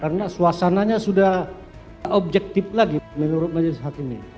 karena suasananya sudah objektif lagi menurut majelis hakim ini